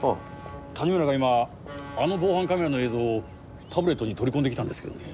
谷村が今あの防犯カメラの映像をタブレットに取り込んできたんですけどね。